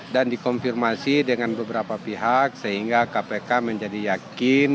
dikonfirmasi dengan beberapa pihak sehingga kpk menjadi yakin